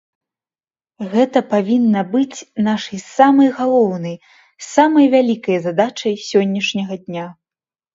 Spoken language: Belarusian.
Гэта павінна быць нашай самай галоўнай, самай вялікай задачай сённяшняга дня.